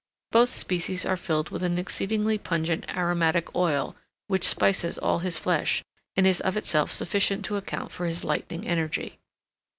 Both species are filled with an exceedingly pungent, aromatic oil, which spices all his flesh, and is of itself sufficient to account for his lightning energy.